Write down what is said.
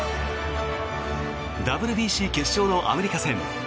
ＷＢＣ決勝のアメリカ戦。